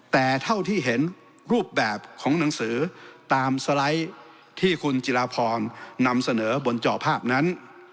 แต่เท่าที่เห็นรูปแบบของหนังสือตามสไลด์ที่คุณจิราพรนำเสนอบนจอภาพนั้น